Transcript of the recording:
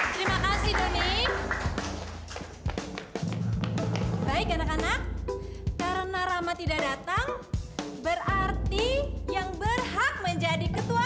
terima kasih doni baik anak anak karena rama tidak datang berarti yang berhak menjadi ketua